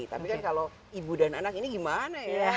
tapi kan kalau ibu dan anak ini gimana ya